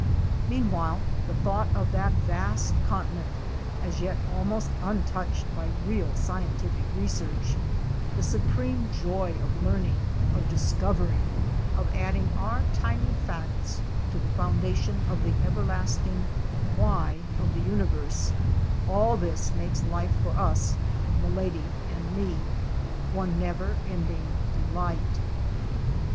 Meanwhile the thought of that vast continent, as yet almost untouched by real scientific research; the supreme joy of learning, of discovering, of adding our tiny facts to the foundation of the everlasting why of the universe; all this makes life for us — Milady and me — one never ending delight.